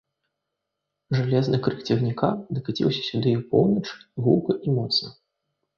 Жалезны крык цягніка дакаціўся сюды ў поўнач, гулка і моцна.